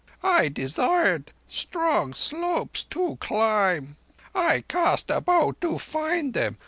I desired strong slopes to climb. I cast about to find them.